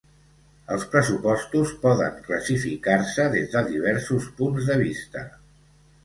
Els pressupostos poden classificar-se des de diversos punts de vista.